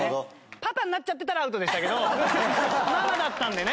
パパになっちゃってたらアウトでしたけどママだったんでね。